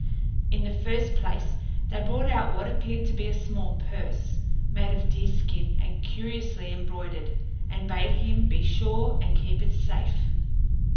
In the first place, they brought out what appeared to be a small purse, made of deer skin and curiously embroidered, and bade him be sure and keep it safe.